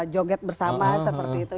joget bersama seperti itu